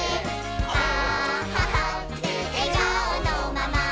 あははってえがおのまま」